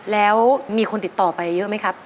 แล้วมีคนติดต่อไปเยอะไหมครับ